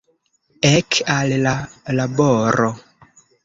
Ek al la laboro!